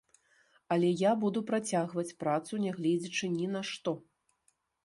Але я буду працягваць працу, нягледзячы ні на што.